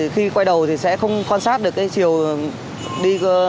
khi quay đầu thì sẽ không quan sát được chiều đi chính sẽ dẫn đến tai nạn